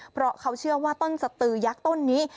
เพราะเขาเชื่อว่าต้นสตือยักษ์ต้นนี้